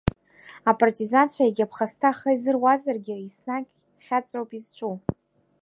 Апартизанцәа, иагьа ԥхасҭа аӷа изырузаргьы, еснагь хьаҵроуп изҿу.